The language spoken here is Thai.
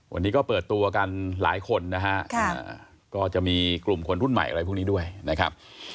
วันนี้ก็เปิดตัวกันหลายคนนะฮะก็จะมีกลุ่มคนรุ่นใหม่อะไรพวกนี้ด้วยนะครับ